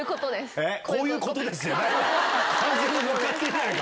完全に乗っかってんじゃないか！